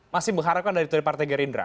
masih mengharapkan dari partai gerindra